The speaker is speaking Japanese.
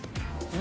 何？